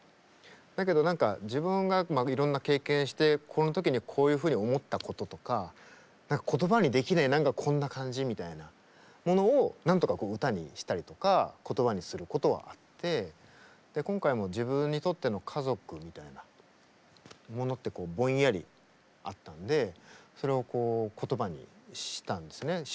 だけど何か自分がいろんな経験してこの時にこういうふうに思ったこととか言葉にできない「何かこんな感じ」みたいなものを何とか歌にしたりとか言葉にすることはあって今回も自分にとっての家族みたいなものってぼんやりあったんでそれを言葉にしたんですね。